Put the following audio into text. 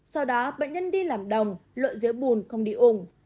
sau đó bệnh nhân đi làm đồng lội dưới bùn không đi ủng